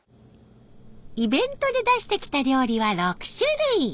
イベントで出してきた料理は６種類。